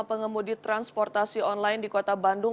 pengemudi transportasi online di kota bandung